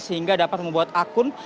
sehingga dapat membuat akun